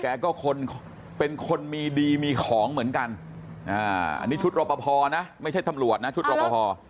คนเป็นคนมีดีมีของเหมือนกันอันนี้ชุดรอปภนะไม่ใช่ตำรวจนะชุดรอปภ